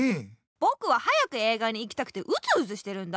ぼくは早く映画に行きたくてうずうずしてるんだ。